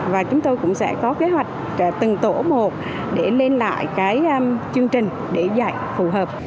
và chúng tôi cũng sẽ có kế hoạch từng tổ một để lên lại cái chương trình để dạy phù hợp